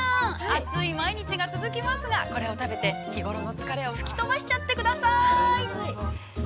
暑い毎日が続きますがこれを食べて、日頃の疲れを吹き飛ばしちゃってください。